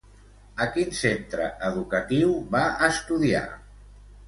A quin centre educatiu va estudiar?